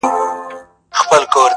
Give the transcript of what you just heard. د خېره دي بېزاره يم، شر مه رارسوه!